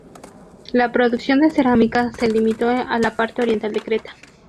La producción de cerámica se limitó a la parte oriental de Creta.